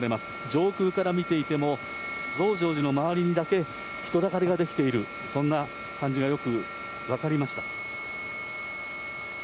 上空から見ていても、増上寺の周りにだけ人だかりが出来ている、そんな感じがよく分かりました。